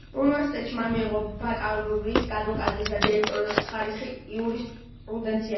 უნივერსიტეტში, მან მიიღო ბაკალავრის, ადვოკატის და დოქტორის ხარისხი იურისპრუდენციაში.